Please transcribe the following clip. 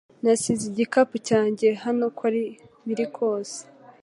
Nasize igikapu cyanjye hano uko biri kose